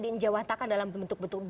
dijawatakan dalam bentuk bentuk